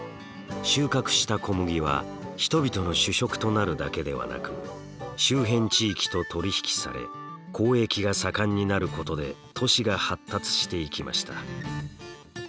収穫した小麦は人々の主食となるだけではなく周辺地域と取り引きされ交易が盛んになることで都市が発達していきました。